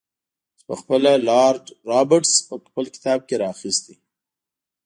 چې پخپله لارډ رابرټس په خپل کتاب کې را اخیستی.